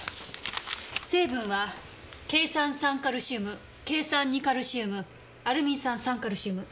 成分はケイ酸三カルシウムケイ酸二カルシウムアルミン酸三カルシウム。